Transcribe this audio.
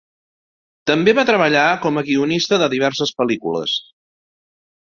També va treballar com a guionista de diverses pel·lícules.